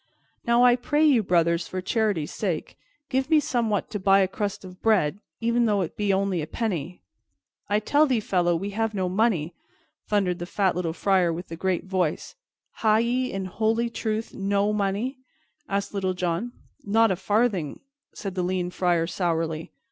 "Now, I pray you, brothers, for charity's sake, give me somewhat to buy a crust of bread, e'en though it be only a penny." "I tell thee, fellow, we have no money," thundered the fat little Friar with the great voice. "Ha' ye, in holy truth, no money?" asked Little John. "Not a farthing," said the lean Friar sourly.